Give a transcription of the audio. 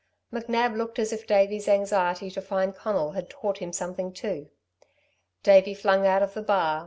McNab looked as if Davey's anxiety to find Conal had taught him something too. Davey flung out of the bar.